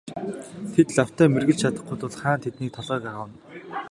Тэд лавтай мэргэлж чадахгүй тул хаан тэдний толгойг авна.